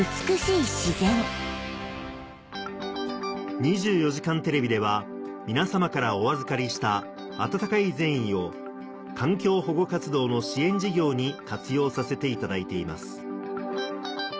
『２４時間テレビ』では皆さまからお預かりした温かい善意を環境保護活動の支援事業に活用させていただいています